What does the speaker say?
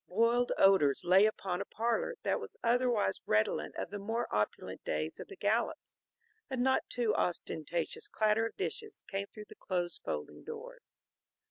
Boiled odors lay upon a parlor that was otherwise redolent of the more opulent days of the Gallups. A not too ostentatious clatter of dishes came through the closed folding doors.